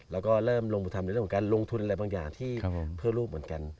แล้วก็เริ่มลงทุนอะไรบางอย่างที่เพื่อลูกเหมือนกัน